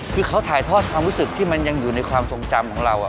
คือเขาถ่ายทอดความรู้สึกที่มันยังอยู่ในความทรงจำของเรา